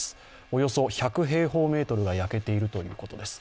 およそ１００平方メートルが焼けているということです。